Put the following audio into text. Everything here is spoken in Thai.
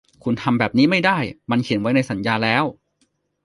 คุณทำแบบนี้ไม่ได้ มันเขียนไว้ในสัญญาแล้ว